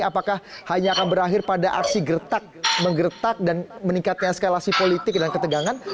apakah hanya akan berakhir pada aksi gertak menggertak dan meningkatkan eskalasi politik dan ketegangan